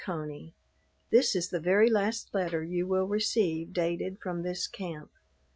CONEY, This is the very last letter you will receive dated from this camp.